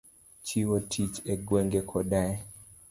Chiwo tich e gwenge koda e